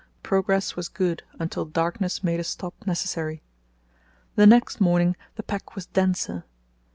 Progress was good until darkness made a stop necessary. The next morning the pack was denser.